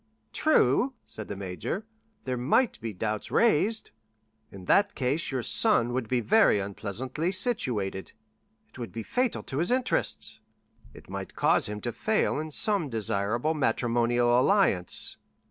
"True," said the major, "there might be doubts raised." "In that case your son would be very unpleasantly situated." "It would be fatal to his interests." "It might cause him to fail in some desirable matrimonial alliance."